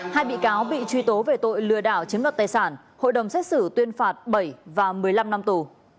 hai bị cáo bị truy tố về tội lừa đảo chiếm đoạt tài sản hội đồng xét xử tuyên phạt bảy và một mươi năm năm tù